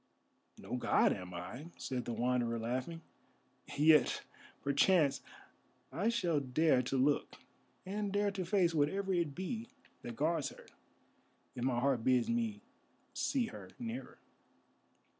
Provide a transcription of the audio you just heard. "No god am I," said the Wanderer, laughing, "yet, perchance, I shall dare to look, and dare to face whatever it be that guards her, if my heart bids me see her nearer."